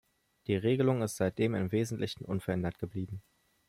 Die Regelung ist seitdem im Wesentlichen unverändert geblieben.